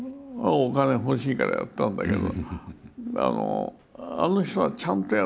お金欲しいからやったんだけど。